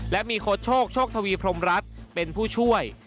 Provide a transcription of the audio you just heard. และมีโค้ชโชคโชคทวีพรมรัฐเป็นผู้ช่วย